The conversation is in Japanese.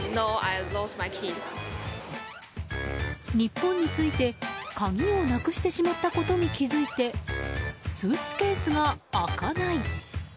日本に着いて鍵をなくしてしまったことに気づいてスーツケースが開かない。